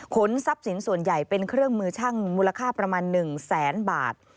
ทรัพย์สินส่วนใหญ่เป็นเครื่องมือช่างมูลค่าประมาณ๑แสนบาท